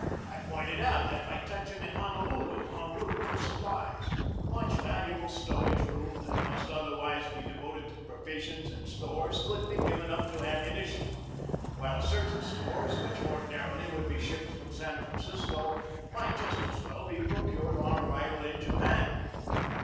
I pointed out that by touching at Hon olulu en route for supplies much valuable stowage room that must otherwise be devoted to provisions and stores could be given up to ammunition, while certain stores which ordinarily would be shipped from San Francisco might just as well be procured on arrival in Japan.